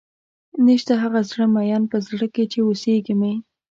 نيشته هغه زړۀ ميئن پۀ زړۀ کښې چې اوسېږي مې